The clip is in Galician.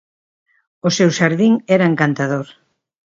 O seu xardín era encantador.